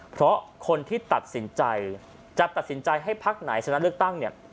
เพราะคนที่ตัดสินใจจะตัดสินใจให้พักไหนชนะเลือกตั้งเนี่ย